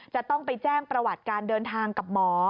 จะต้องไปแจ้งประวัติการเดินทางกับหมอ